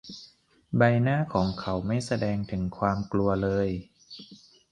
ใบหน้าของเขาไม่แสดงถึงความกลัวเลย